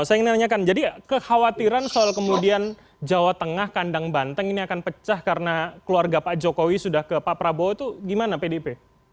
saya ingin nanyakan jadi kekhawatiran soal kemudian jawa tengah kandang banteng ini akan pecah karena keluarga pak jokowi sudah ke pak prabowo itu gimana pdip